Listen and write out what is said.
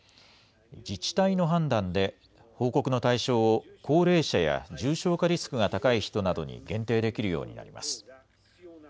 自治体の判断で報告の対象を、高齢者や重症化リスクが高い人などに限定できるようになります。